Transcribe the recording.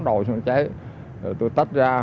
đầu xuống cháy rồi tôi tắt ra